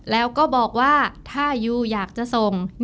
แล้วก็บอกว่าถ้ายูอยากจะส่ง